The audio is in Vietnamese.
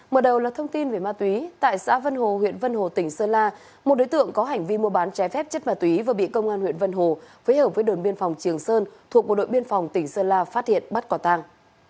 mở đầu là thông tin về ma túy tại xã vân hồ huyện vân hồ tỉnh sơn la một đối tượng có hành vi mua bán trái phép chất ma túy vừa bị công an huyện vân hồ phối hợp với đồn biên phòng trường sơn thuộc bộ đội biên phòng tỉnh sơn la phát hiện bắt quả tàng